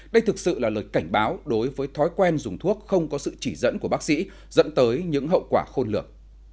đây thực sự là lời cảnh báo đối với thói quen dùng thuốc không có sự chỉ dẫn của bác sĩ dẫn tới những hậu quả khôn lược